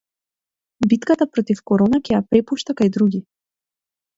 Битката против корона ќе ја препушта на други